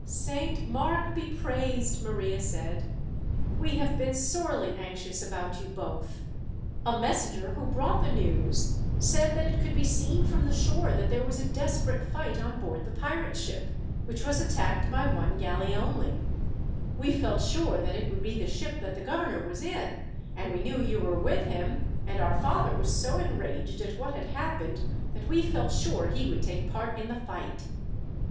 "Saint Mark be praised!" Maria said. "We have been sorely anxious about you both. A messenger, who brought the news, said that it could be seen from the shore that there was a desperate fight on board the pirate ship, which was attacked by one galley only. We felt sure that it would be the ship that the governor was in, and we knew you were with him; and our father was so enraged at what had happened, that we felt sure he would take part in the fight."